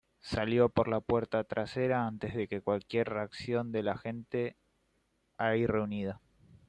Salió por la puerta trasera antes de cualquier reacción de la gente ahí reunida.